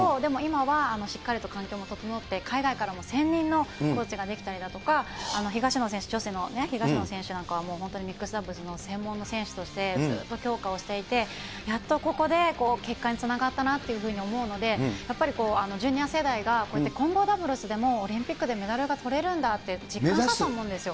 でも、今はしっかりと環境も整って、海外からも専任のコーチが出てきたりだとか、東野選手、女子のね、東野選手なんかは、もう本当にミックスダブルスの専門の選手として、ずっと強化をしていて、やっとここで結果につながったなというふうに思うので、やっぱりジュニア世代がこうやって混合ダブルスでもオリンピックでメダルがとれるんだって実感したと思うんですよ。